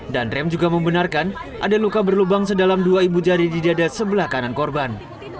dan rem juga membenarkan ada luka berlubang sedalam dua ibu jari di dada sebelah kanan korban